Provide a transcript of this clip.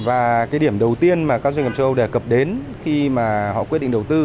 và cái điểm đầu tiên mà các doanh nghiệp châu âu đề cập đến khi mà họ quyết định đầu tư